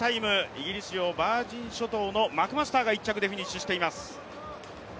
イギリス領バージン諸島のマクマスターが１着でフィニッシュしています。